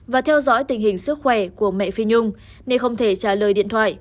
và theo dõi tình hình sức khỏe của mẹ phi nhung nên không thể trả lời điện thoại